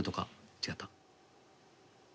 違った。